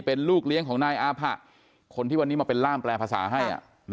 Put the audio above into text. เป็นลูกเลี้ยงของนายอาผะคนที่วันนี้มาเป็นร่ามแปลภาษาให้